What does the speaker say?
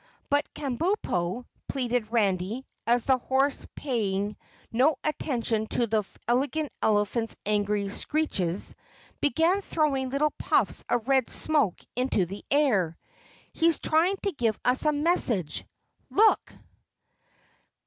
"But, Kabumpo," pleaded Randy, as the horse, paying no attention to the Elegant Elephant's angry screeches, began throwing little puffs of red smoke into the air, "he's trying to give us a message. LOOK!"